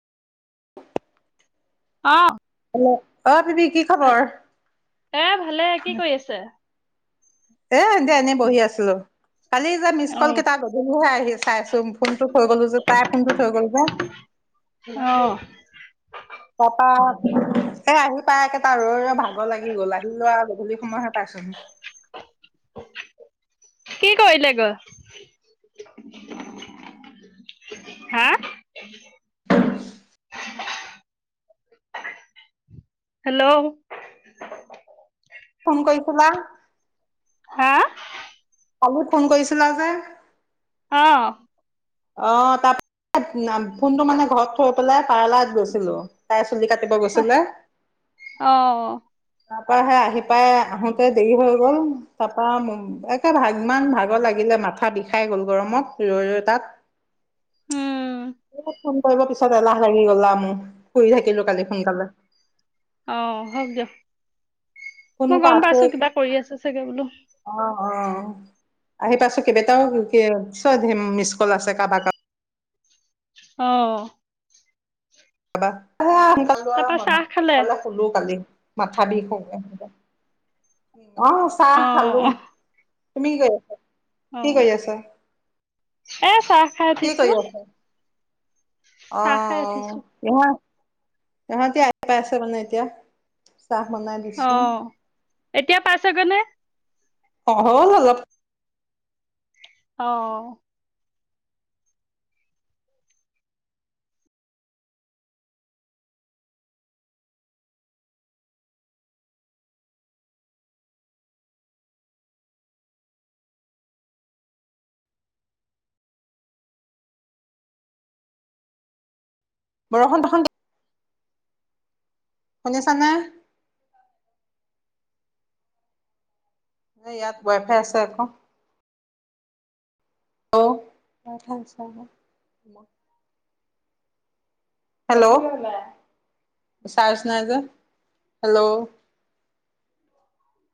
অ। Hello অ' পিটিক। এ ভালে কি কৰি আছে? এ এ দে এনেই বহি আছিলো কালি যে মিচ কল অ', কেইটা গধূলিহে আহি চাই আছো। তোম ফোনটো থৈ গ'লো যে তাই ফোনটো থৈ গ'ল যে অ', তা পা এ আহি পাইকে তাৰ ৰৈ ৰৈ ভাগৰ লাগি গ'ল আহি লোৱা গধূলি সময়হে পাইছ [unintelligible] কি কৰিলে গৈ? হা? হেল্ল' ফোন কৰিছিলা? হা? কালি ফোন কৰিছিলা যে! অ'। অ', তাৰ [unintelligible] ফোনটো মানে ঘৰত থৈ পেলাই পাৰ্লাৰত গৈছিলোঁ। তাৰচত চলি কাতিব গৈছিলে। অ', তাৰপৰা হে আহি পাই আহোতে দেৰি হৈ গল তাৰপা একে ভাগ ইমান ভাগৰ লাগিলে। মাথা বি খাই গ'ল গৰমত ৰৈ - ৰৈ তাত উম, অ [inaudible] ফোন কৰিব পিছত এলাহ লাগি গলা মোক শুই থাকিলো কালি সোনকালে অ, হওক দিয়ক মই কোনোবা গম আছে পাইছো কিবা কৰি আছে চাগে বোলো। অ অ আহি পাইছো কেবেটাও কে চ হিম মিচকল আছে কাবা কাব অ। [unintelligible] অ তাৰপা মন চাহ খালে? সোকালে শুলো কালি মাথা বিষ হৌগে হৌগে, অ চাহ খালো। অ', তুমি কি কৰি আছ, কি অ'। কৰি আছা? এ চাহ খাই কি উঠিছো, কৰি আছ? অ অ চাহ খাই উঠিছো। নহয়। তেহেতি আহি পাইছে মানে এতিয়া। চাহ বনাই অ দিছো এতিয়া পাইছেগৈ নে? অ হ'ল অলপ। অ অও। বৰষুণ তখন শুনিছা নে? এ ইয়াত ৱাইফাই আছে আক। অ [unintelligible] হেল্ল' চাৰ্জ নাই যে হেল্ল' [inaudible]